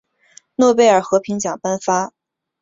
诺贝尔和平奖颁发。